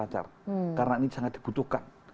karena ini sangat dibutuhkan